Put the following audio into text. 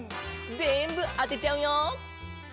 ぜんぶあてちゃうよ！